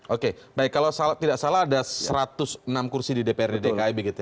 oke baik kalau tidak salah ada satu ratus enam kursi di dprd dki begitu ya